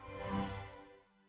janganlah aku percaya